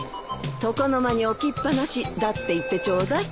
床の間に置きっ放しだって言ってちょうだい。